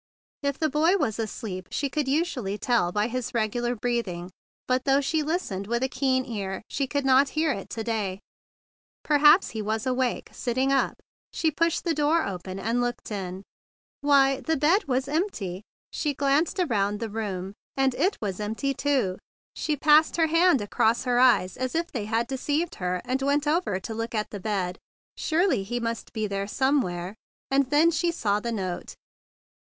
If the boy was asleep, she could usually tell by his regular breathing; but, though she listened with a keen ear, she could not hear it to day. Perhaps he was awake, sitting up. She pushed the door open, and looked in. Why! The in 112 THE BIG BLUE SOLDIER bed was empty! She glanced around the room, and it was empty too! She passed her hand across her eyes as if they had deceived her, and went over to look at the bed. Surely he must be there somewhere! And then she saw the note.